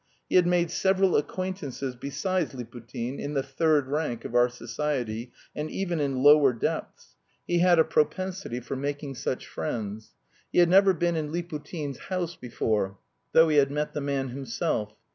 He had made several acquaintances besides Liputin in the third rank of our society, and even in lower depths he had a propensity for making such friends. He had never been in Liputin's house before, though he had met the man himself.